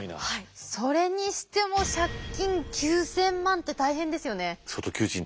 それにしても借金９，０００万って大変ですよね。